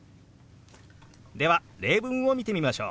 では例文を見てみましょう。